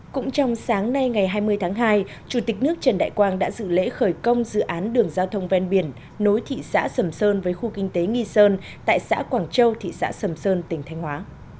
cũng trong sáng nay ngày hai mươi tháng hai chủ tịch nước trần đại quang đã dự lễ khởi công dự án đường giao thông ven biển nối thị xã sầm sơn với khu kinh tế nghi sơn tại xã quảng châu thị xã sầm sơn tỉnh thanh hóa